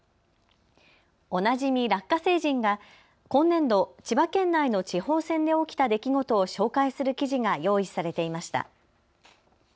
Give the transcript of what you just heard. おなじみラッカ星人が今年度、千葉県内の地方選で起きた出来事を紹介する記事が用意されていました。